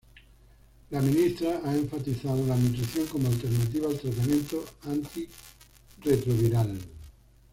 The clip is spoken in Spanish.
La ministra ha enfatizado la nutrición como alternativa al tratamiento antirretroviral.